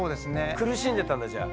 苦しんでたんだじゃあ。